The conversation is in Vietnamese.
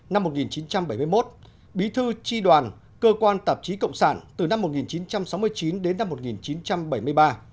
năm một nghìn chín trăm bảy mươi một bí thư tri đoàn cơ quan tạp chí cộng sản từ năm một nghìn chín trăm sáu mươi chín đến năm một nghìn chín trăm bảy mươi ba